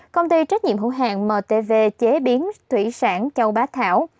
công ty trách nhiệm hữu hàng mtv chế biến thủy sản châu bá thảo